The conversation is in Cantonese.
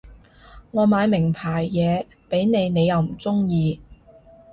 我買名牌嘢畀你你又唔中意